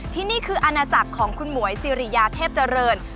ที่นี่คืออาณาจักรของคุณหมวยสิริยาเทพเจริญ